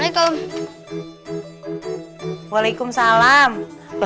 gua ini yang dihapus sama mu